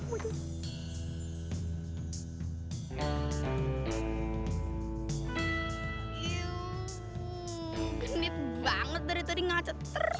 iuuh genit banget dari tadi ngaca